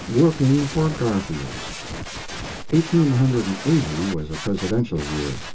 WORKING FOR GARFIELD Eighteen hundred and eighty was a Presidential year.